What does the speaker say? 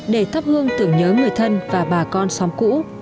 để thắp hương tưởng nhớ người thân và bà con xóm cũ